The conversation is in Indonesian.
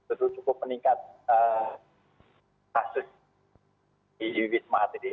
itu cukup meningkat kasus di wisma atlet